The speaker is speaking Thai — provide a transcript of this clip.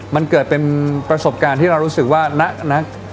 มันเกิดเป็นประสบการณ์ที่เรารู้สึกว่านะ